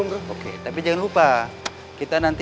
udah belum bang